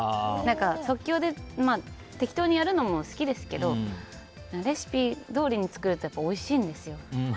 即興で適当にやるのも好きですけどレシピどおりに作るとやっぱおいしいんですよ。